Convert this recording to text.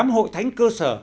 tám hội thánh cơ sở